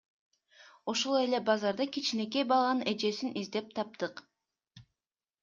Ушул эле базарда кичинекей баланын эжесин издеп таптык.